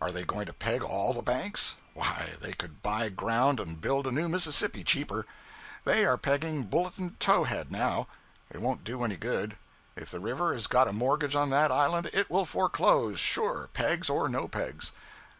Are they going to peg all the banks? Why, they could buy ground and build a new Mississippi cheaper. They are pegging Bulletin Tow head now. It won't do any good. If the river has got a mortgage on that island, it will foreclose, sure, pegs or no pegs.